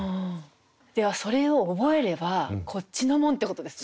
ではそれを覚えればこっちのもんってことですね。